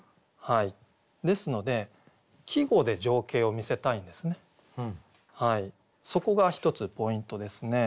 ですのでそこが１つポイントですね。